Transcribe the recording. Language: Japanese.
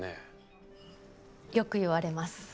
よく言われます。